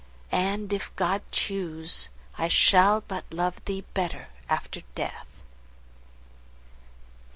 —and, if God choose, I shall but love thee better after death.